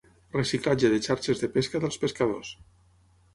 Reciclatge de xarxes de pesca dels pescadors.